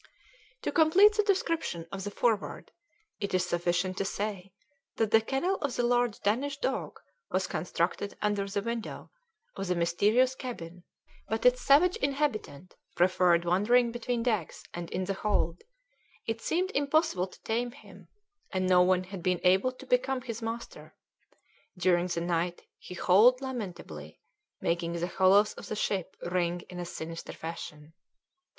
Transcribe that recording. To complete the description of the Forward it is sufficient to say that the kennel of the large Danish dog was constructed under the window of the mysterious cabin but its savage inhabitant preferred wandering between decks and in the hold; it seemed impossible to tame him, and no one had been able to become his master; during the night he howled lamentably, making the hollows of the ship ring in a sinister fashion.